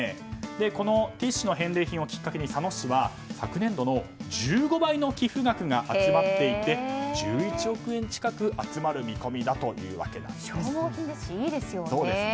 このティッシュの返礼品をきっかけに佐野市は昨年度の１５倍の寄付金が集まっていて１１億円近く集まる消耗品ですし、いいですよね。